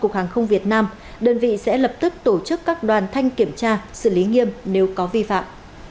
cục hàng không việt nam đơn vị sẽ lập tức tổ chức các đoàn thanh kiểm tra xử lý nghiêm nếu có vi phạm